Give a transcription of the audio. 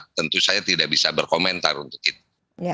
tentu saya tidak bisa berkomentar untuk itu